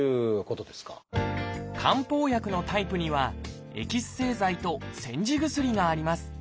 漢方薬のタイプには「エキス製剤」と「煎じ薬」があります。